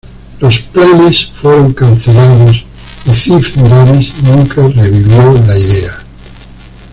Los planes fueron cancelados, y Ziff-Davis nunca revivió la idea.